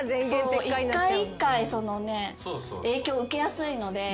一回一回影響受けやすいので。